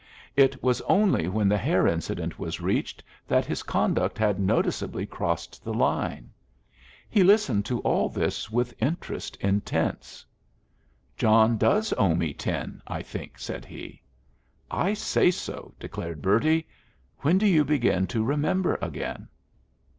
It was only when the hair incident was reached that his conduct had noticeably crossed the line. He listened to all this with interest intense. "John does owe me ten, I think," said he. "I say so," declared Bertie. "When do you begin to remember again?"